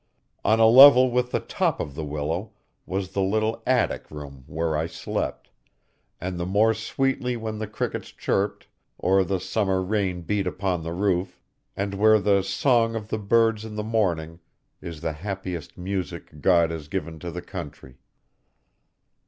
On a level with the top of the willow was the little attic room where I slept, and the more sweetly when the crickets chirped, or the summer rain beat upon the roof, and where the song of the birds in the morning is the happiest music God has given to the country.